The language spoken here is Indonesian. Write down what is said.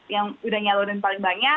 yang sudah menyalurkan paling banyak